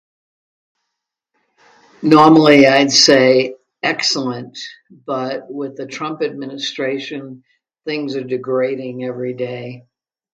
Normally, I'd say excellent, but with the Trump administration, things are degrading every day.